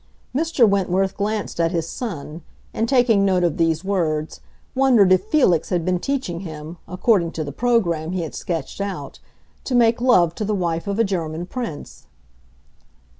Mr. Wentworth glanced at his son, and taking note of these words, wondered if Felix had been teaching him, according to the programme he had sketched out, to make love to the wife of a German prince.